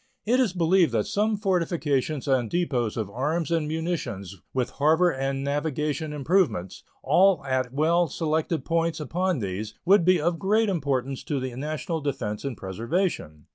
It is believed that some fortifications and depots of arms and munitions, with harbor and navigation improvements, all at well selected points upon these, would be of great importance to the national defense and preservation.